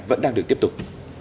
vẫn đang được tiếp tục